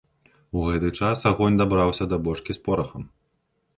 У гэты час агонь дабраўся да бочкі з порахам.